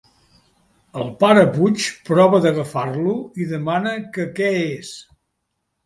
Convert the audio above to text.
El pare Puig prova d'agafar-lo i demana que què és.